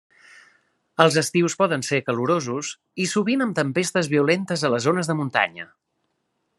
Els estius poden ser calorosos i sovint amb tempestes violentes a les zones de muntanya.